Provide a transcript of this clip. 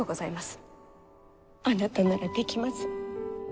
あなたならできます。